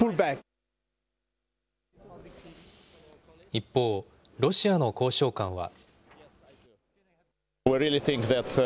一方、ロシアの交渉官は。